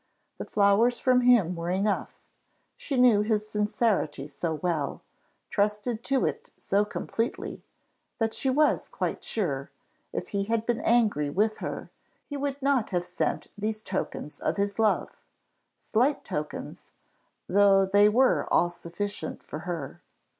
The flowers from him were enough; she knew his sincerity so well, trusted to it so completely, that she was quite sure, if he had been angry with her, he would not have sent these tokens of his love, slight tokens, though they were all sufficient for her.